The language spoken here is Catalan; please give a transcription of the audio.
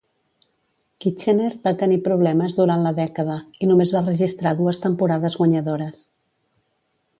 Kitchener va tenir problemes durant la dècada, i només va registrar dues temporades guanyadores.